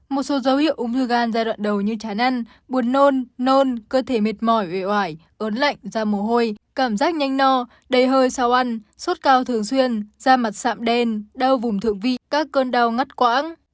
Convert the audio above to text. một số dấu hiệu ung thư gan giai đoạn đầu như chán ăn buồn nôn nôn cơ thể mệt mỏi về oải ớn lạnh da mồ hôi cảm giác nhanh no đầy hơi sao ăn sốt cao thường xuyên da mặt sạm đen đau vùng thượng vị các cơn đau ngắt quãng